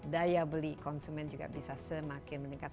daya beli konsumen juga bisa semakin meningkat